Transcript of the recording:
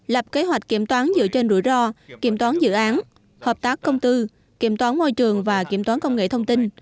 lập kế hoạch kiểm toán dựa trên rủi ro kiểm toán dự án hợp tác công tư kiểm toán môi trường và kiểm toán công nghệ thông tin